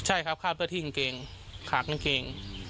ใช่ครับคาบเสื้อที่กางเกงขาดกางเกง